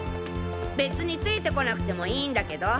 別についてこなくてもいいんだけど。